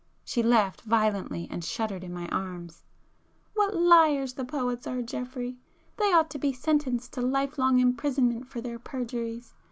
She laughed violently, and shuddered in my arms. "What liars the poets are, Geoffrey! They ought to be sentenced to life long imprisonment for their perjuries!